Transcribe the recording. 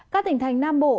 các tỉnh thành nam bộ